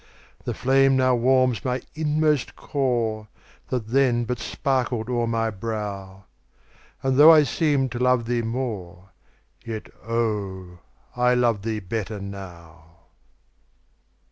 The flame now warms my inmost core, That then but sparkled o'er my brow, And, though I seemed to love thee more, Yet, oh, I love thee better now.